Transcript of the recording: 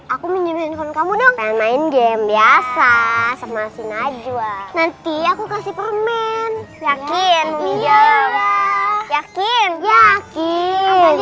aku menyuruh handphone kamu dong kayak main game biasa sama si najwa nanti aku kasih permen yakin yakin